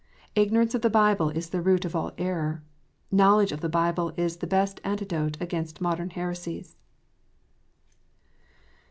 Ignorance of the Bible is the root of all error. Knowledge of the Bible is the best antidote against modern heresies.